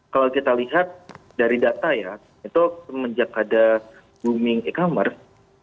kalau kita lihat dari data ya itu semenjak ada booming e commerce